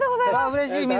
あうれしい水。